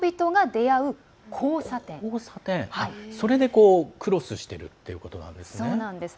それで、クロスしてるってことなんですね。